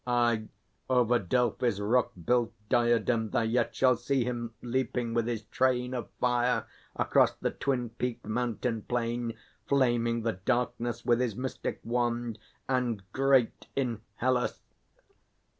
Aye, over Delphi's rock built diadem Thou yet shalt see him leaping with his train Of fire across the twin peaked mountain plain, Flaming the darkness with his mystic wand, And great in Hellas.